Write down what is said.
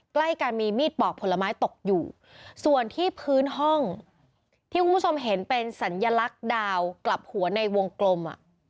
ใกล้กันมีมีดปอกผลไม้ตกอยู่ส่วนที่พื้นห้องที่คุณผู้ชมเห็นเป็นสัญลักษณ์ดาวกลับหัวในวงกลม